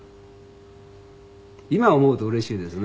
今思うとうれしいですね。